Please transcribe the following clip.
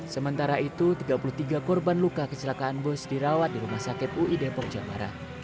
sementara itu tiga puluh tiga korban luka kecelakaan bus dirawat di rumah sakit ui depok jawa barat